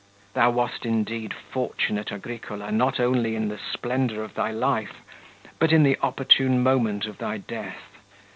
Thou wast indeed fortunate, Agricola, not only in the splendour of thy life, but in the opportune moment of thy death.